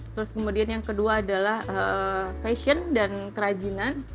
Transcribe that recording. terus kemudian yang kedua adalah fashion dan kerajinan